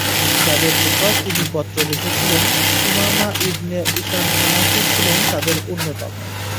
যাদের নিকট তিনি পত্র লিখেছিলেন সুমামা ইবনে উসান হানাফী ছিলেন তাদের অন্যতম।